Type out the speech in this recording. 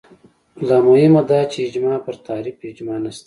لا مهمه دا چې اجماع پر تعریف اجماع نشته